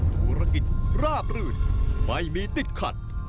ธุรกิจราบรื่นไม่มีติดขัด